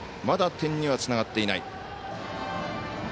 まだ点にはつながっていない。